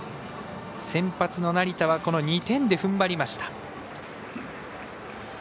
先発の成田はこの２点で踏んばりました。